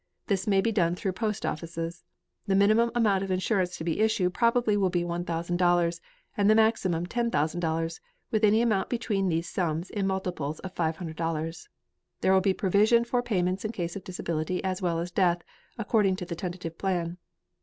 This may be done through post offices. The minimum amount of insurance to be issued probably will be $1,000, and the maximum $10,000, with any amount between those sums in multiple of $500. There will be provision for payments in case of disability as well as death, according to the tentative plan.